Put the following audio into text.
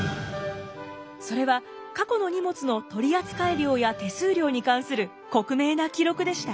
それは過去の荷物の取り扱い量や手数料に関する克明な記録でした。